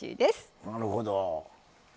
なるほど。